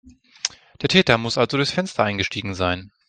Der Täter muss also durchs Fenster eingestiegen sein.